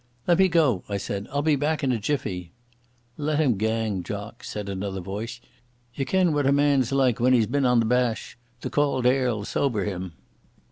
"Let me go," I said. "I'll be back in a jiffy." "Let him gang, jock," said another voice. "Ye ken what a man's like when he's been on the bash. The cauld air'll sober him."